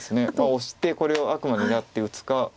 オシてこれをあくまで狙って打つか。